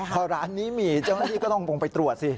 พอร้านนี้มีเจ้าหน้าที่ก็ต้องลงไปตรวจสิ